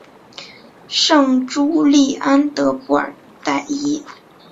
圣朱利安德布尔代伊。